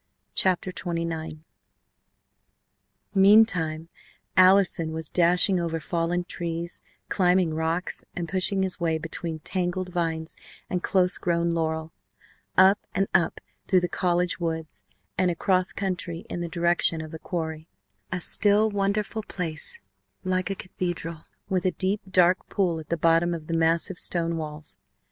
CHAPTER XXIX Meantime Allison was dashing over fallen trees, climbing rocks, and pushing his way between tangled vines and close grown laurel, up and up through the college woods, and across country in the direction of the quarry, a still, wonderful place like a cathedral, with a deep, dark pool at the bottom of the massive stone walls.